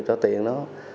cho tiền nó